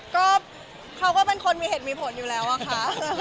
ก็เขาก็เป็นคนมีเหตุมีผลอยู่แล้วอะค่ะ